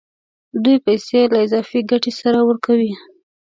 دوی پیسې له اضافي ګټې سره ورکوي